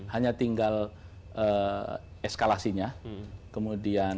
hanya tinggal eskalasinya kemudian